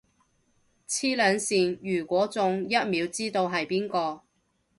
磁能線，如果中，一秒知道係邊個